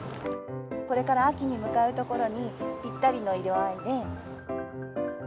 これから秋に向かうところに、ぴったりの色合いで。